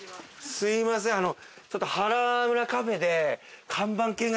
すいませんあの。